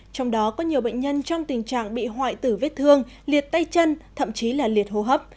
trong đó có nhiều bệnh nhân trong tình trạng bị hoại tử vết thương liệt tay chân thậm chí là liệt hô hấp